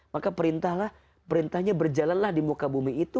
maka perintahnya berjalanlah di muka bumi itu